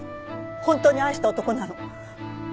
本当に愛した男なの。